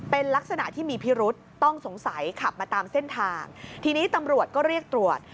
เป็นลักษณะที่มีพิรุษต้องสงสัยขับมาตามเส้นทางทีนี้ตำรวจก็เรียกตรวจ